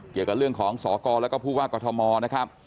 เกี่ยวกับเรื่องของสกแล้วก็ผู้ว่ากอทมนะครับ